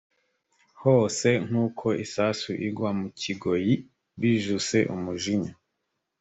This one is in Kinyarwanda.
hose nk’uko isasu igwa mu kigoyi bijuse umujinya